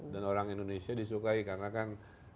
dan orang indonesia disukai karena kan